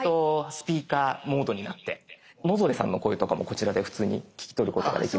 スピーカーモードになって野添さんの声とかもこちらで普通に聞き取ることができますから。